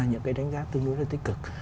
những cái đánh giá tương đối là tích cực